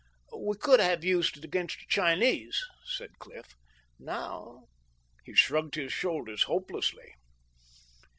"We could have used it against the Chinese," said Cliff. "Now " He shrugged his shoulders hopelessly.